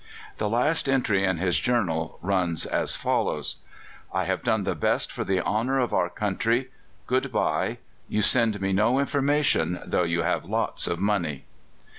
The last entry in his journal runs as follows: "I have done the best for the honour of our country. Good bye. You send me no information, though you have lots of money."